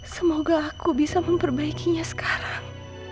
semoga aku bisa memperbaikinya sekarang